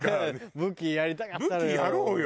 武器やりたかったのよ。